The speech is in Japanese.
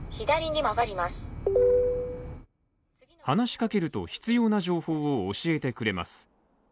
話しかけると必要な情報を教えてくれます。